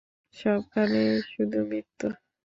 সবখানেই শুধু মৃত্যু।